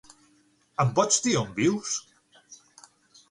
Em pots dir on vius?